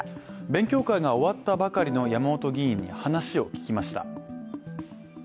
勉強会が終わったばかりの山本議員に話を聞きました。